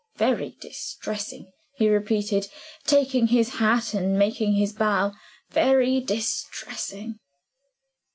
Very distressing," he repeated, taking his hat and making his bow "Very distressing."